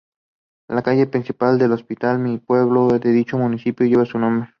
La calle principal del hospital Mi Pueblo de dicho municipio lleva su nombre.